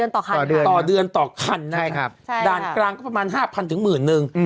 ต่อเดือนต่อคันครับใช่ครับด่านกลางก็ประมาณ๕๐๐๐ถึง๑๐๐๐๐นึง